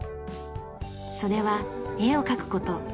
それは絵を描く事。